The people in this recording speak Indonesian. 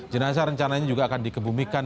jenazah rencananya juga akan dikebumikan